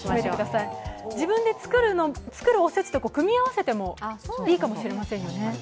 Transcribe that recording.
自分で作るお節と組み合わせても、いいかもしれないですよね。